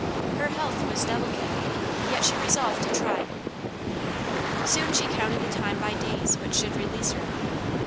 Her health was delicate, yet she resolved to try. Soon she counted the time by days which should release her.